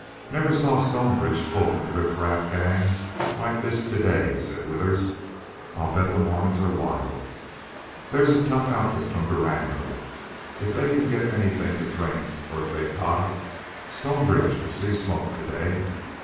"Never saw Stonebridge full of a riffraff gang like this to day," said Withers. "I'll bet the Mormons are wild. There's a tough outfit from Durango. If they can get anything to drink or if they've got it Stonebridge will see smoke to day!...